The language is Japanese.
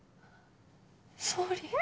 総理。